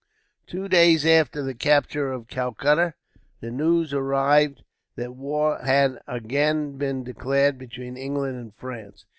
Two days after the capture of Calcutta, the news arrived that war had again been declared between England and France.